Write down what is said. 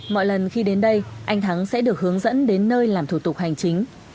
mọi lần khi đến đây anh thắng sẽ được hướng dẫn đến nơi làm thủ tục hành chính